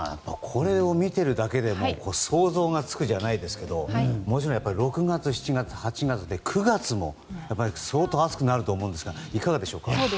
これを見てるだけでも想像がつくじゃないですが６月、７月、８月ときて９月も相当暑くなると思うんですがいかがでしょうか。